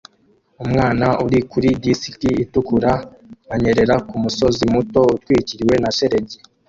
Umwana uri kuri disiki itukura anyerera kumusozi muto utwikiriwe na shelegi